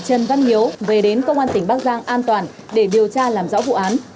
trần văn hiếu về đến công an tỉnh bắc giang an toàn để điều tra làm rõ vụ án